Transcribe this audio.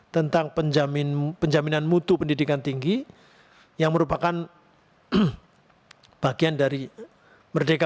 dua ribu dua puluh tiga tentang penjamin penjaminan mutu pendidikan tinggi yang merupakan bagian dari merdeka